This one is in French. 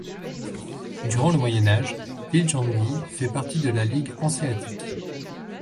Durant le Moyen Âge, Viljandi fait partie de la ligue hanséatique.